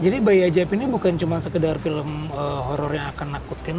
jadi bayi ajaib ini bukan cuman sekedar film horror yang akan nakutin